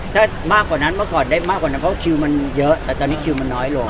ถ้ามากกว่านั้นเมื่อก่อนได้มากกว่านั้นเพราะคิวมันเยอะแต่ตอนนี้คิวมันน้อยลง